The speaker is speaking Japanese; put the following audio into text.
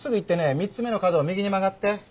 ３つ目の角を右に曲がって。